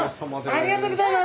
ありがとうございます。